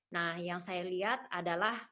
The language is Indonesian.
nah yang saya lihat adalah